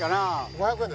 ５００円？